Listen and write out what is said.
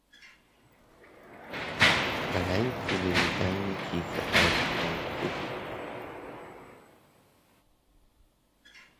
بنيتَ للبنك فأغنيته